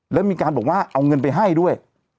แล้วมีการบอกว่าเอาเงินไปให้ด้วย